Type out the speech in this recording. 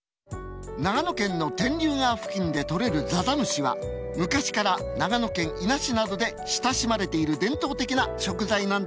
長野県の天竜川付近で採れるざざむしは昔から長野県伊那市などで親しまれている伝統的な食材なんです。